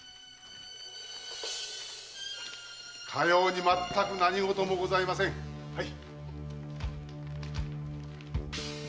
かようにまったく何事もございませんはい。